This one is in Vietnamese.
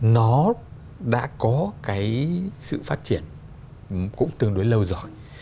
nó đã có cái sự phát triển cũng tương đối lâu rồi